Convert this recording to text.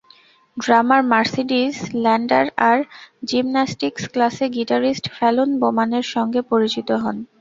ড্রামার Mercedes Lander তাঁর gymnastics ক্লাসে guitarist Falun বোম্যানের সঙ্গে পরিচিত হন।